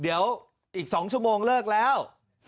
เดี๋ยวอีก๒ชั่วโมงเลิกแล้ว